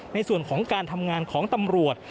ในส่วนของการทำงานของตำรวจ